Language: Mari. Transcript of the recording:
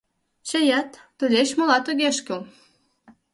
— Чаят, тулеч молат огеш кӱл.